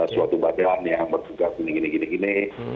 suatu badan yang bertugas ini gini gini